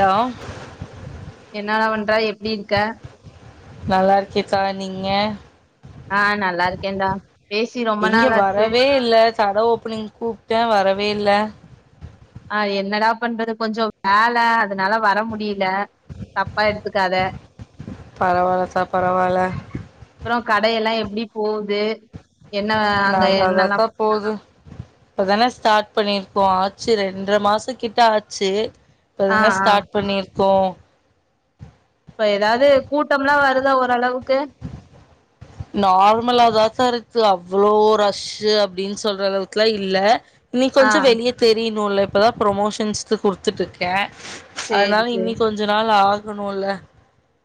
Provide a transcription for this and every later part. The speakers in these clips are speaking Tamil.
டா என்னடா பண்றா எப்டி இருக்க நல்லா இருக்கே கா நீங்க ஆ நல்லா இருக்கே டா பேசி ரொம்ப நாளாச்சு கட ஓப்பனிங்கு கூப்டே வரவே இல்ல ஆ என்னடா பண்றது கொஞ்சோ வேல அதனால வர முடியல தப்பா எடுத்துக்காத பரவால்ல கா பரவால அப்புற கடையெல்லா எப்டி போது நல்லாதா கா போது இப்பதானே ஸ்டார்ட் பண்ணிருக்கோ ஆச்சு ரெண்ர மாச கிட்ட ஆச்சு ஆ இப்பதான ஆ ஸ்டார்ட் பண்ணிருக்கோ இப்ப ஏதாவது கூட்டம்ல்லா வருதா ஓரளவுக்கு நார்மலாதா கா இருக்கு அவ்ளோ ரஷ்ஷு அப்டின்னு சொல்ற அளவுக்குலா இல்ல இன்னி ஆ கொஞ்சம் வெளியே தெரியணுல இப்பதா ப்ரொமோஷன்ஸ்சுக்கு குடுத்துட்டு இருக்க சேரி அதனால இன்னி சேரி கொஞ்ச நாள் ஆகணுல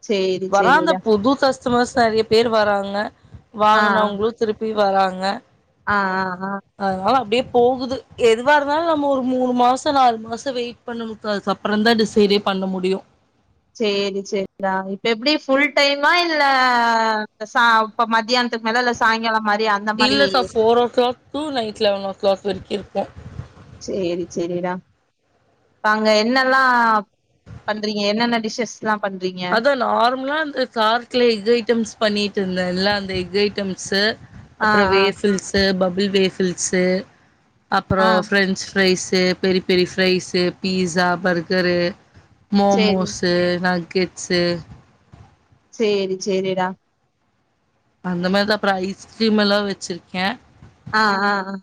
சேரி வராங்க சேரிடா புது கஸ் ஸ்மஸ் நெறைய பேர் வராங்க ஆ வாங்கினவங்களு திருப்பி வராங்க ஆ ஆ ஆ அதனால அப்டியே போகுது எதுவா இருந்தாலு நம்ம ஒரு மூணு மாசம் நாலு மாசம் வெயிட் பண்ணனு கா சப்பறந்தா டிசைடே பண்ண முடியு சேரி சேரிடா இப்ப எப்படி ஃபுல் டைமா இல்ல இந்த ச இப்ப மத்தியானத்துக்கு மேல இல்ல சாயங்காலம் மாறி அ இல்ல சா four o'clock to night eleven o'clock வரைக்கு இருக்கு சேரி சேரிடா ப்ப அங்க என்னெல்லா பண்றீங்க என்னென்ன டிஷ்ஷஸ்லா பண்றீங்க அதா நார்மலா அந்த கார்க்ல எக் ஐட்டம்ஸ் பண்ணிட்டு இருந்தேன்ல்ல அந்த எக் ஐட்டம்ஸ்சு ஆ அப்புறோ ஆ வேஃபில்ஸு பபுள் வேஃபில்ஸு ஆ அப்றோ French rice peri peri fries pizza burger சேரி மோமோஸ் சே நகேட்ஸு சேரி சேரிடா அந்த மாரிதா அப்பற ஐஸ்கிரீம் எல்லா வச்சிருக்கே ஆ ஆ ஆ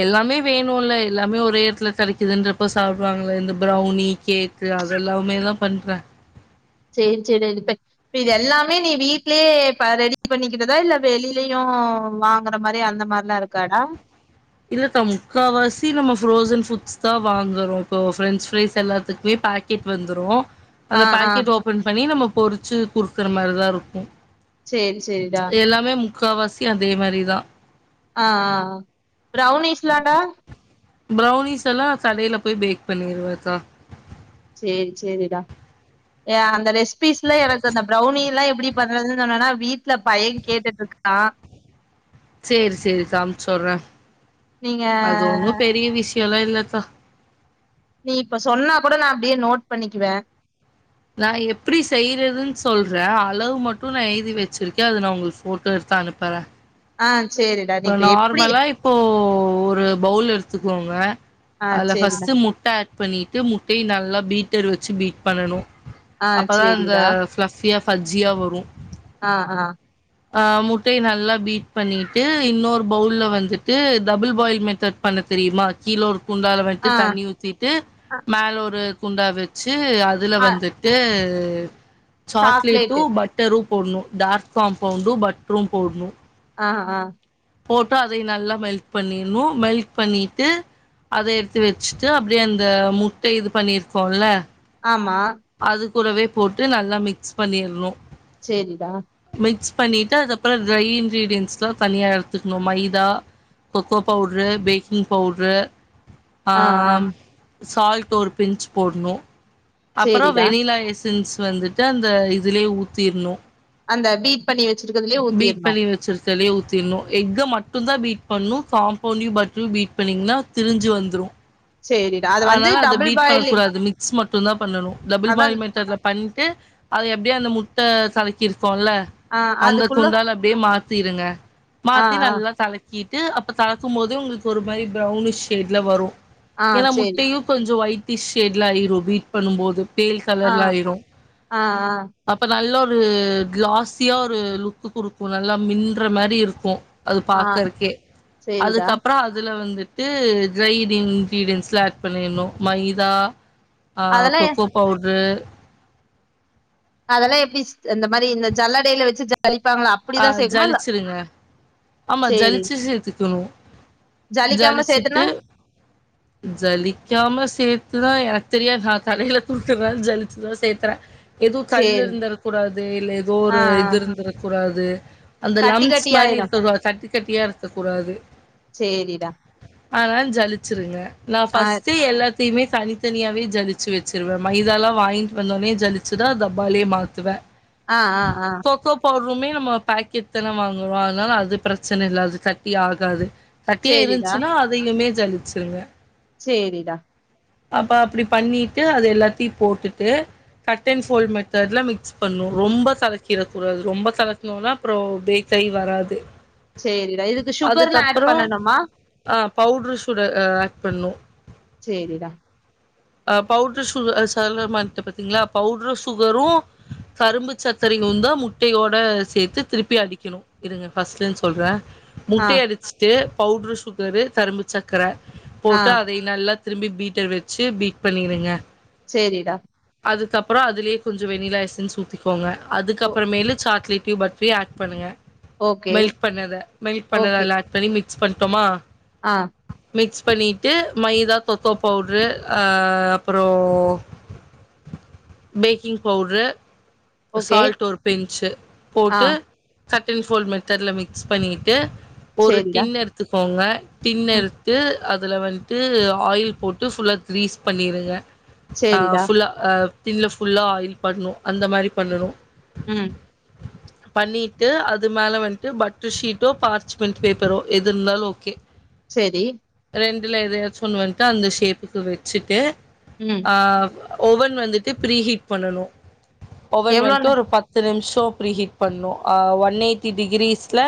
எல்லாமே வேணுல்ல எல்லாமே ஒரே எடத்துல கெடைக்குதுன்றப்ப சாப்பிடுவாங்கள இந்த பிரௌனி கேக் கு அதெல்லாமே தா பண்றே சேரி சேரி அது இப்ப இ இது எல்லாமே நீ வீட்லயே ரெடி பண்ணிக்கிறதா இல்ல வெளிலயும் வாங்குற மாரி அந்த மாரி ல்லா இருக்காடா இல்ல அக்கா முக்காவாசி நம்ம ஃப்ரோசன் ஃபுட்ஸ் தா வாங்குறோ இப்போ பிரண்ட்ஸ் ஃப்ரைஸ் எல்லாத்துக்குமே பேக் பாக்கெட் வந்துரு ஆ அந்த ஆ பாக்கெட் ஓபன் பண்ணி நம்ம பொறிச்சு குடுக்கற மாதிரிதா இருக்கு சேரி சேரிடா எல்லாமே முக்காவாசி அதே மாதிரிதா ஆ ஆ ஆ பிரௌன்னிஸ்லான்டா பிரௌன்னிசெல்லா கடையில போய் பேக் பண்ணிருவே தா சேரி சேரிடா அந்த ரெசிபிஸ்ல எனக்கு அந்த ப்ரௌனி எல்லா எப்டி பண்றதுன்னு சொன்னனா வீட்டுல பயே கேட்டுட்டு இருக்கா சேரி சேரி இத அனுப்பிச்சு விடுறே நீங்க அது ஒண்ணு பெரிய விஷயோல்லா இல்லத்தா நீ இப்ப சொன்னா கூட நா அப்டியே நோட் பண்ணிக்குவே நா எப்படி செய்றதுன்னு சொல்றே அளவு மட்டு நா எழுதி வச்சுருக்கே அத நா உங்களுக்கு ஃபோட்டோ எடுத்து அனுப்புறே ஆ சேரி இப்ப நார்மலா இப்போ ஒரு பவுல் எடுத்துக்கோங்க ஆ அதுல சரிடா. ஃபர்ஸ்ட் முட்ட ஆட் பண்ணிட்டு முட்டய நல்லா பீட்டரு வச்சு பீட் பண்ணனு ஆ அப்பதா இந்த சரிடா. ஃபிளபியா ஃபஜ்ஜியா வரும் ஆ ஆ ஆ முட்டய நல்லா பீட் பண்ணிட்டு இன்னொரு பவுல வந்துட்டு டபுள் பாயில் மெத்தட் பண்ண தெரியுமா கீழ ஒரு குண்டால வந்துட்டு ஆ, தண்ணி ஊத்திட்டு அ, மேல ஒரு குண்டா வச்சு அதுல அ வந்துட்டு ட்டு சாக்லேட்டு. சாக்லேட்டும் பட்டரும் போடணு டார்க் ஃபாம் பவுடரும் பட்ரூம் போடணு ஆ ஆ போட்டு அதையு நல்லா மெல்ட் பண்ணிரனும் மெல்க் பண்ணிட்டு அத எடுத்து வச்சிட்டு அப்டியே அந்த முட்ட இது பண்ணிருக்கோல ஆமா அது கூடவே போட்டு நல்லா மிக்ஸ் பண்ணிறனு சேரி டா மிக்ஸ் பண்ணிட்டு அது அப்பறோ ட்ரை இன்கிரீடியன்ஸ்லா தனியா எடுத்துக்கணு maida cocoa powder baking powder ஆ சால்ட் ஒரு பிஞ்ச் போடுணு அப்புற சரிடா. வெண்ணிலா எசன்ஸ் வந்துட்டு அந்த இதுலயே ஊத்திண்ணு அந்த பீட் பண்ணி வச்சிருக்கதுலயே ஊத்திற்னு சிலைய ஊத்திற்ணு எக்க மட்டுதா பீட் பண்ணு காம்பவுண்டியு பட்ரும் பீட் பண்ணீங்னா திரிஞ்சி வந்துரு சரிடா. அது வந்து ஆனால அது டபுள் பீட் பாயிலிங் பண்ணக்கூடாது மிக்ஸ் மட்டுதா பண்ணனு டபுள் அதான் பாயில் மெத்தடுல பண்ணிட்டு அத எப்டியே அந்த முட்ட கலக்கி இருக்கோல ஆ அந்த அதுக்குள்ள குண்டால அப்டியே மாத்திருங்க ஆ, மாத்தி ஆ, நல்லா கல க்கிட்டு அப்ப கலக்கும் போதே உங்களுக்கு ஒரு மாரி ப்ரௌனிஷ் ஷேட்ல வரு ஆ ஏன்னா சரி. முட்டையு கொஞ்சோ ஒய்ட்டிஷ் ஷேட்ல ஆயிரு பீட் பண்ணும் போது பேல் ஆ, கலர்ல ஆயிரு ஆ, ஆ, அப்ப நல்ல ஒரு கிளாஸியா ஒரு லுக் குடுக்கு நல்லா மின்ற மாரி இருக்கு அது ஆ பாக்கறக்கே சரிடா. அதுக்கப்றோ அதுல வந்து ட்டு ட்ரை டி இன்க்ரிடியன்ஸ்லா ஆட் பண்ணிறனு மைதா அ அதெல்லாம் எ கொக்கோ பவுட்ர்ரு அதெல்லா எப்டி சி இந்த மாரி இந்த ஜல்லடைல வச்சி ஜலிப்பாங்ளா அப் ஆ ஜலிச்சிருங்க ஆமா சரி. ஜலிச்சி சேத்துக்கணு ஜலிக்காம சேத்தனா ஜலிச்சிட்டு ஜலிக்காம சேத்துதா எனக்கு தெரியாது நா கடேல குடுக்கறனால ஜலிச்சிதா சேத்ரே ஏதோ கல்லு சரி. இருந்துற கூடாது இல்ல ஏதோ ஆ, ஒரு ஆ. இது இருந்துற கூடாது அந்த கட்டி லம்ஸ் கட்டி மாறி ஆயிரும். இருக்கக்கூடா கட்டி கட்டியா இருக்கக்கூடாது சேரிடா அதனால ஜலிச்சிருங்க நா ஆ ஃபஸ்ட்டு எல்லாத் தயுமே தனித்தனியாவே ஜலிச்சி வச்சுருவே மைதாலா வாங்கிட்டு வந்தோனே ஜலிச்சிதா டப்பாலே மாத்துவே ஆ ஆ ஆ ப்போதுமே நம்மோ பேக்கெட் தான வாங்கறோ அதனால அது பிரச்சன இல்ல அது கட்டி ஆகாது கட்டியா சேரிடா இருந்துச்சினா அதையுமே ஜலிச்சுருங்க சேரிடா அப்ப அப்டி பண்ணிட்டு அது எல்லாத்தையு போட்டுட்டு கட் அன் ஃபோல் மெத்தேட்ல மிக்ஸ் பண்ணு ரொம்ப கலக்கிற கூடாது ரொம்ப கலக்னோனா அப்றோ பேக்காய் வராது சேரிடா இதுக்கு சுகர்லா ஆட் அதுக்கப்பறோ பண்ணணுமா ஆ பவுட்ரு சுட அ ஆட் பண்ணு சேரிடா அ பவுட்ரு சுக அ சொல்ல மறன்ட்டே பாத்தீங்ளா பவுட்ரு சுகரு கரும்பு சக்கரையுந்தா முட்டையோட சேத்து திருப்பி அடிக்கணு இருங்க ஃபர்ஸ்ட்லருந்து சொல்ற ஆ முட்டைய அடிச்சிட்டு பவுட்ரு சுகரு கரும்பு சக்கர ஆ போட்டு அதை நல்லா திரும்பி பீட்டர் வச்சு பீட் பண்ணிருங்க சேரிடா அதுக்கப்றோ அதுலயே கொஞ்சோ வெண்ணிலா எசன்ஸ ஊத்திக்கோங்க ஓ அதுக்கப்பற மேலு சாக்லேட்டயு ப ட்ரயு பண்ணுங்க ஓகே மெல்ட் பண்ணத மெல்ட் பண்ணத ஓகே அதுல ஆட் பண்ணி மிக்ஸ் பண்ட்டோமா ஆ மிக்ஸ் பண்ணிட்டு மைதா கோக்கோ பவுட்ரு அ ஆ அப்பறோ பேக்கிங் பவுட்ரு ஓகே சால்ட் ஒரு பின்ஞ்சு ஆ போட்டு சட்டில் ஃபோல் மெத்தேட்ல மிக்ஸ் பண்ணிட்டு ஒரு சேரிடா டின் எடுத்துக்கோங்க டின் ம் எடுத்து அதுல வன்ட்டு ஆயில் போட்டு ஃபுல்லா கிரீஸ் பண்ணிருங்க அ சேரிடா ஃபுல்லா டின்ல ஃபுல்லா ஆயில் பண்ணு அந்த மாரி பண்ணணு ம் பண்ணிட்டு அது மேல வன்ட்டு பட்ரு ஷீட்டோ பார்ச்மெண்ட் பேப்பரோ எது இருந்தாலு ஓக்கே சேரி ரெண்டுல எதையாச்சு ஒன்னு வன்ட்டு அந்த ஷேப்புக்கு வச்சுட்டு ம் ஆஹ் ஓவன் வந்துட்டு ப்ரீ ஹீட் பண்ணணு ஓவன் எவ்ளோ வந்துட்டு நே ஒரு பத்து நிமிஷோ ப்ரீ ஹீட் பண்ணணு ஒன் எயிட்டி டிகிரீஸ்ல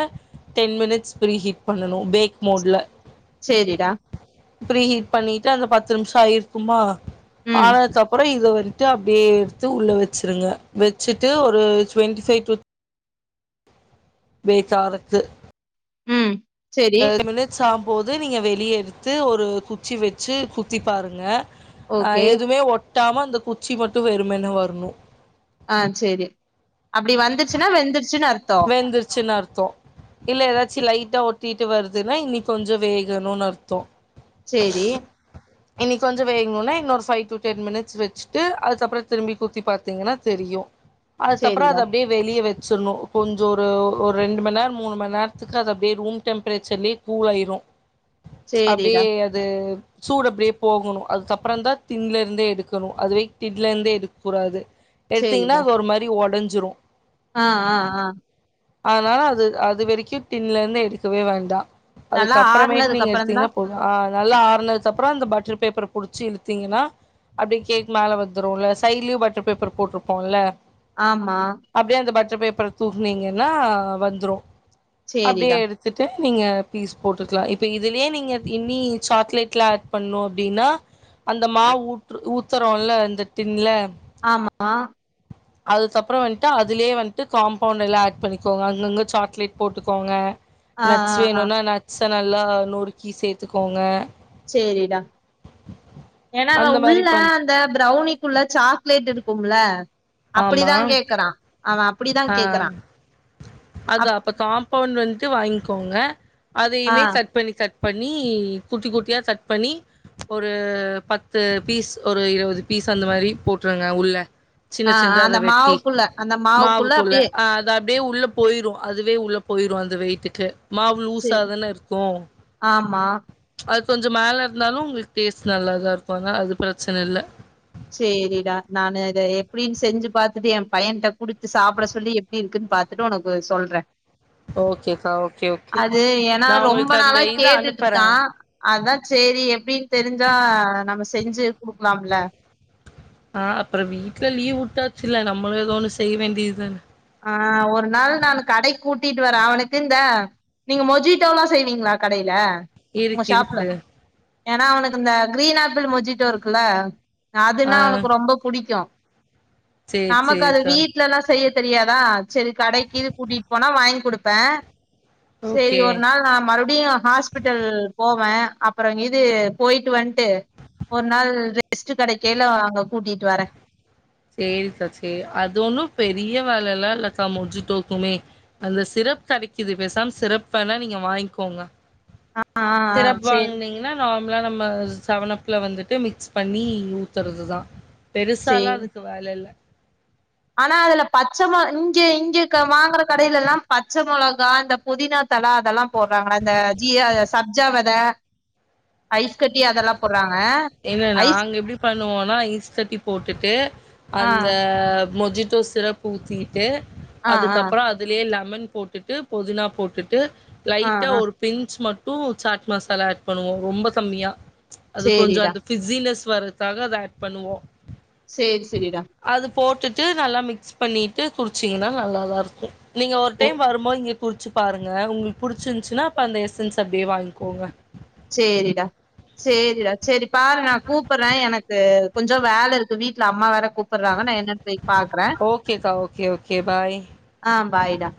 டென் மினிட்ஸ் ப்ரீ ஹீட் பண்ணனு பேக் மோட்ல சேரிடா ப்ரீ ஹீட் பண்ணிட்டு அந்த பத்து நிமிஷோ ஆயிருக்குமா ம் ஆனதுக்கு அப்பறோ இது வரு ட்டு அப்டியே எடுத்து உள்ள வச்சிருங்க வச்சுட்டு ஒரு டுவென்டி செக் வித் பேக் காரத்து ம் சேரி அ தேர்ட்டி மினிட்ஸ் ஆகாபோது நீங்க வெளிய எடுத்து ஒரு குச்சி வச்சி குத்தி பாருங்க அ ஓகே எதுவுமே ஒட்டாம அந்த குச்சி மட்டு வெறுமேன்ன வரணு ஆ சேரி அப்டி வந்துச்சின்னா வெந்திரிச்சின்னு அர்த்தோ வெந்திரிச்சின் அர்த்தோ இல்ல ஏதாச்சும் லைட்டா ஒட்டிட்டு வருதுன்னா இன்னி கொஞ்சோ வேகணுனு அர்த்தோ சேரி இனி கொஞ்சோ வேகணுனா இன்னொ ஃபை டு டென் மினிட்ஸ் வச்சுட்டு அதுக்கப்பறோ திரும்பி குத்தி பாத்தீங்கனா தெரியு அதுக்கப்பறோ அது சேரிடா அப்டியே வெளிய வச்சுரனு கொஞ்சோ ஒரு ஒரு ரெண்டு மணி நேரோ மூணு மணி நேரத்துக்கு அத அப்டியே ரூம் டெம்பரேச்சர்லயே கூழாயிரு அப்டியே சேரிடா அது சூடு அப்டியே போகணு அதுக்கப்பறோ தா தின்லருந்தே எடுக்கணு அதுவே தின்லேருந்தே எடுக்க கூடாது எடுத்தீங்கன்னா சேரிடா அது ஒரு மாரி ஒடைஞ்சிரு ஆ ஆ ஆ அதனால அது அது வரைக்கு டின்ல இருந்து எடுக்கவே வேண்டா நல்லா அதுக்கு அப்பறமேட்டு ஆறுனதுக்கு நீங்க அப்புறந்தா எடுத்தீங்கன்னா போது ஆ நல்லா ஆரணது கப்றோ அந்த பட்டர் பேப்பரை புடிச்சு இழுத்தீங்கனா அப்டியே கேக் மேலே வந்துருல சைடுலயு பட்டர் பேப்பர் போட்ருப்போல்ல ஆமா அப்டியே அந்த பட்டர் பேப்பர தூக்குனீங்கனா வந்துரு அப்டியே சேரிடா எடுத் த்துடு நீங்க பீஸ் போட்டுக்கலா இப்ப இதுலயே நீங்க இன்னி சாக்லேட் ல ஆட் பண்ணு அப்டினா அந்த மாவு ஊற்று ஊத்துறோல அந்த டின்ல ஆமா அதுக்கப்பறோ வந்ட்டு அதுலயே வந்ட்டு காம்பௌண்ட எல்லா ஆட் பண்ணிக்கோங்க அங்கங்க சாக்லேட் போட்டுக்கோங்க ஆ ஆ நட்ஸ் ஆ வேணுனா நட்ஸ நல்லா நொறுக்கி சேத்துக்கோங்க சேரிடா ஏனா அவ அந்த மாரி உள்ள பண் இந்த பிரௌனிக்குள்ள சாக்லேட் இருக்கும்ல ஆமா அப்டிதா கேக்குறா அவே அப்டி தா ஆ அதா அப்ப காம்பவுண்ட் வந்துட்டு வாங்கிக்கோங்க ஆ அதையுமே சட் பண்ணி சட் பண்ணி குட்டி குட்டியா சட் பண்ணி ஒரு பத்து பீஸ் ஒரு இருவது பீஸ் அந்த மாரி போட்ருங்க உள்ள சின்ன சின்னதா அத வெட்டி உள்ள அந்த மா மாவு குள்ள ஆ அது அப்டியே உள்ள போயிரு அதுவே உள்ள போயுரு அந்த வெயிட்டுக்கு மாவு லூஸா சேரி தான இருக்கு ஆமா அது கொஞ்சோ மேல இருந்தாலு உங்களுக்கு டேஸ்ட் நல்லாதா இருக்கு அதனால அது பிரெச்சன இல்ல சே ரிடா நானு இத எப்டினு செஞ்சு பாத்துட்டு என் பையன்ட குடுத்து சாப்ட சொல்லி எப் எப்டி இருக்குன்னு பாத்துட்டு உனக்கு சொல்றே ஓகேக்கா ஓகே ஓகே அது ஏனா நா ரொம்ப உங்களுக்கு அந்த நாளா இத கேட்டுட்டு அனுப்புறே ருக்கா. அதா செரி எப்டின் தெரிஞ்சா நம்ம செஞ்சு குடுக்கலாம்ல. ஆ அப்ற வீட்ல லீவ் விட்டாசில்ல நம்மளு ஏதோ ஒன்னு செய்ய வேண்டியதுதான ஆ ஒரு நாள் நா அவன கடைக்கு கூட்டிட்டு வரே அவனுக்கு இந்த நீங்க மொஜிட்டோலா செய்வீங்களா கடைல உங்க இருக்கு ஷாப்ல இருக்கு ஏன்னா அவனுக்கு இந்த கிரீன் ஆப்பிள் மொஜிட்டோ இருக்குல்ல ஆ அதுனா அவனக்கு ரொம்ப புடிக்கு சேரி நமக்கு அத சேரிக்கா வீட்லல்லா செய்ய தெரியாதா சரி கடைக்கு இது கூட்டிட்டு போனா வாங்கி குடுப்ப செரி ஓகே ஒரு நாள். அ மறுபடியு ஹாஸ்பிட்டல் போவ அப்ற இது போய்ட்டு வந்ட்டு. ஒரு நாள் ரெஸ்ட் கெடைக்கைல அங்க கூட்டிட்டு வரே செரிக்கா செரி அது ஒன்னு பெரிய வேலல்லா இல்லக்கா மொஜிட்டோக்குமே. அந்த சிரப் கெடைக்குது பேசாம சிரப் வேணா நீங்க வாங்கிக்கோங்க. ஆ ஆ ஆ சிரப் சேரி வாங்குனீங்கனா நார்மலா நம்ம செவன்ப்ல வந்துட்டு மிக்ஸ் பண்ணி ஊத்துறதுதா சேரி பெருசாலா அதுக் வேல இல்ல ஆனா அதுல பச்சை மொ இங்க இங்க வாங்குற கடைலலா இந்த பச்ச மொளகா அந்த புதினா தல அதெல்லா போடுறாங்களா இந்த ஜிய சப்ஜாவித ஐஸ் கட்டி அதெல்லா- போட்றாங்க என்னா நாங்க எப்டி பண்ணுவோனா ஐஸ் கட்டி போட்டுட்டு ஆ அந்த மொஜிட்டோ சிரப் ஊத்திட்டு ஆ ஆ அதுக்கப்பற அ அதுலயே லெமன் போட்டுட்டு புதினா போட்டுட்டு ஆ லைட்டா ஆ ஒரு பின்ச் மட்டு சாட் மசாலா ஆட் பண்ணுவோ ரொம்ப கம்மியா. அது கொஞ்சோ சேரிடா அந்த பிஸ்ஸினஸ் வரத்துக்காக அத ஆட் பண்ணுவோ சேரி செரிடா அது போட்டுட்டு நல்லா மிக்ஸ் பண்ணிட்டு குடிச்சீங்னா நல்லாதா இருக்கு நீங்க ஒரு ஓ டைம் வரும்போது இங்கே குடிச்சு பாருங்க உங்களுக்கு புடிச்சிருந்துச்சுனா அப்போ அந்த எஸ்என்ஸ் அப்டியே வாங்கிக்கோங்க. சேரிடா. சேரிடா செரி பாரு நா கூப்புற எனக்கு கொஞ்சோ வேல இருக்கு வீட்ல அம்மா வேற கூப்டுறாங்க நா என்ன ஓகேக்கா ஓகே ஓகே பாய். ஆ பாய்டா.